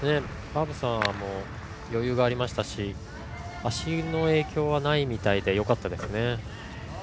バブサーも余裕がありましたし足の影響はないみたいでよかったですね。